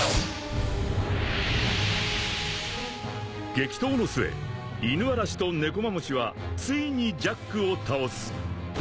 ［激闘の末イヌアラシとネコマムシはついにジャックを倒す］